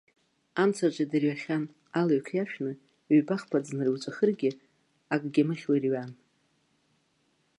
Амцаҿы идырҩахьан, алҩақ иашәны, ҩба-хԥа ӡынра иуҵәахыргьы, акгьы амыхьуа ирҩан.